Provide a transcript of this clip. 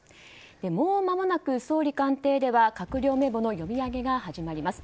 もうまもなく総理官邸では閣僚名簿の読み上げが始まります。